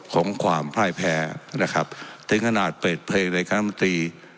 ของความพ่ายแพ้นะครับถึงขนาดเปิดเพลงในคณะมนตรี